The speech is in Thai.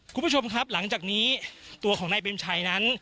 คุณผู้ชมครับหลังจากนี้ตัวของนายเปรมชัยนั้น